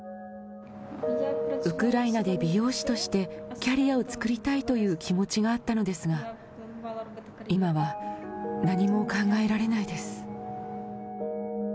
ウクライナで美容師としてキャリアを作りたいという気持ちがあったのですが、今は何も考えられないです。